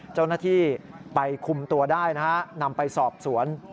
เจ้าหน้าที่ไปคุมตัวได้นะฮะนำไปสอบสวน